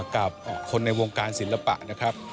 กับคนในวงการศิลปะนะครับ